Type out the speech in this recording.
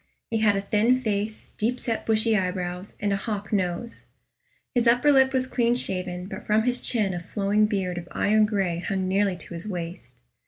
He had a thin face, deep set bushy eyebrows, and a hawk nose. His upper lip was clean shaven, but from his chin a flowing beard of iron gray hung nearly to his waist.